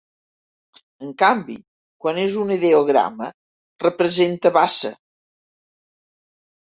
En canvi, quan és un ideograma, representa bassa.